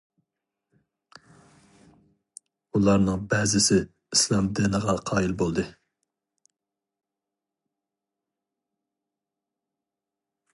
ئۇلارنىڭ بەزىسى ئىسلام دىنىغا قايىل بولدى.